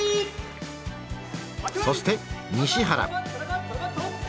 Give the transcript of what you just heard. そして西原。